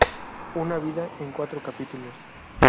Una vida en cuatro capítulos".